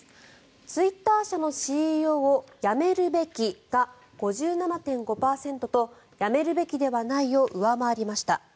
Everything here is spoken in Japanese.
ツイッター社のＣＥＯを辞めるべきが５７．５％と辞めるべきではないを上回りました。